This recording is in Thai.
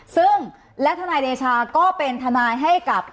ซึ่งและทนายเดชาก็เป็นทนายให้กับ